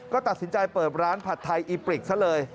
ก็ตัดสินใจเปิดร้านผัดไทยอีปริกซะเลย